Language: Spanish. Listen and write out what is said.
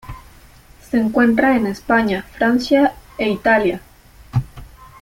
Se encuentra en España, Francia e Italia.